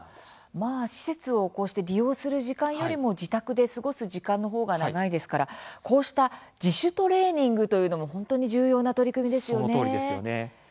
施設をこうして利用する時間よりも自宅で過ごす時間のほうが長いですからこうした自主トレーニングというのもそのとおりですよね。